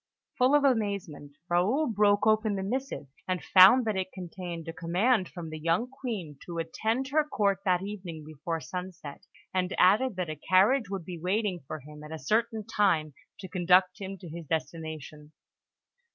Full of amazement, Raoul broke open the missive, and found that it contained a command from the young Queen to attend her Court that evening before sunset, and added that a carriage would be waiting for him at a certain time, to conduct him to his destination.